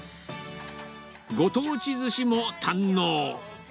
ご当地ずしも堪能。